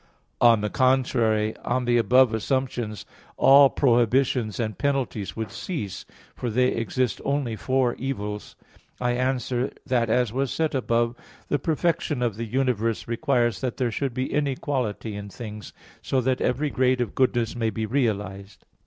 On the contrary, On the above assumptions, all prohibitions and penalties would cease, for they exist only for evils. I answer that, As was said above (Q. 47, AA. 1, 2), the perfection of the universe requires that there should be inequality in things, so that every grade of goodness may be realized.